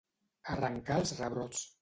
Arrencar els rebrots.